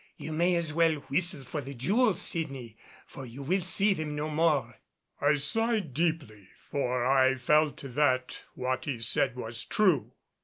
You may as well whistle for the jewels, Sydney, for you will see them no more." I sighed deeply, for I felt that what he said was true.